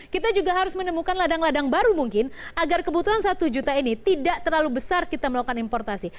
kita juga harus menemukan ladang ladang baru mungkin agar kebutuhan satu juta ini tidak terlalu besar kita melakukan importasi